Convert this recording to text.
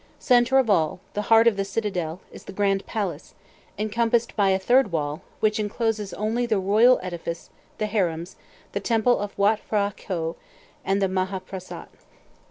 Centre of all, the heart of the citadel, is the grand palace, encompassed by a third wall, which encloses only the royal edifice, the harems, the temple of Watt P'hra Këau, and the Maha P'hrasat.